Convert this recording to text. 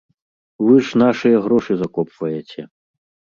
Вы ж нашыя грошы закопваеце.